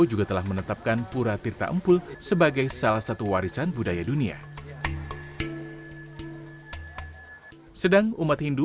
juga telah menetapkan pura tirta empul sebagai salah satu warisan budaya dunia sedang umat hindu